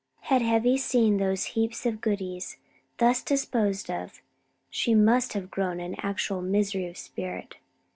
Had Heavy seen those heaps of goodies thus disposed of she must have groaned in actual misery of spirit!